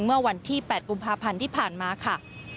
เมื่อวันที่๘กุมภาพันธ์ที่ผ่านมาค่ะ